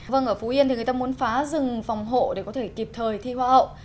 vâng ở phú yên thì người ta muốn phá rừng phòng hộ để có thể kịp thời thi hoa hậu